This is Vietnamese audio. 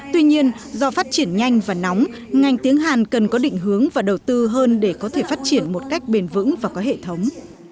tuy nhiên do phát triển nhanh và nóng ngành tiếng hàn cần có định hướng và đầu tư hơn để có thể phát triển một cách bền vững và có hệ thống